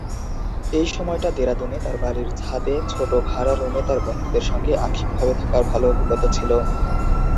এই সময়টা দেরাদুনে তার বাড়ির ছাদে ছোট ভাড়া রুমে তার বন্ধুদের সঙ্গে আংশিকভাবে থাকার ভালো অভিজ্ঞতা ছিল।